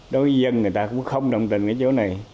đối với dân người ta cũng không đồng tình cái chỗ này